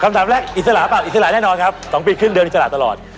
คำถามแรกอิสระเปล่าอิสระแน่นอนครับ๒ปีครึ่งเดือนอิสระตลอด